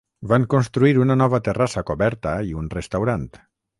Van construir una nova terrassa coberta i un restaurant.